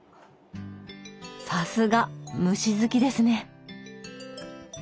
さすが虫好きですね。